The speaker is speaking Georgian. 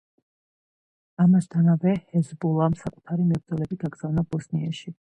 ამასთანავე ჰეზბოლამ საკუთარი მებრძოლები გაგზავნა ბოსნიაში.